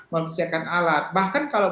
mempersiapkan alat bahkan kalau